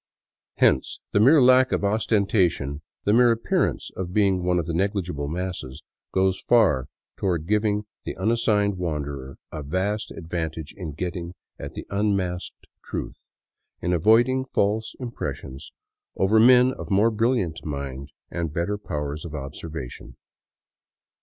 Hence the mere lack of ostentation, the mere appearance of being one of the negligible masses, goes far toward giving the unassigned wan derer a vast advantage in getting at the unmasked truth, in avoid ing false impressions, over men of more brilliant mind and better pow ers of observation.